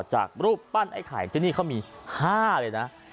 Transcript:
จากรูปปั้นไอ้ไข่ที่นี่เขามี๕เลยนะ